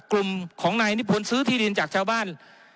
กลุ่มของนายนิพนธ์ซื้อที่ดินจากชาวบ้าน